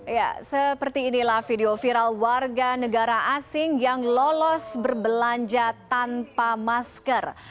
ya seperti inilah video viral warga negara asing yang lolos berbelanja tanpa masker